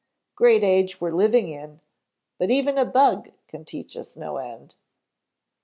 "Great age we're living in, but even a bug can teach us no end."